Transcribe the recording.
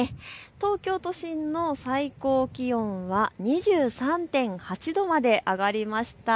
東京都心の最高気温は２３．８度まで上がりました。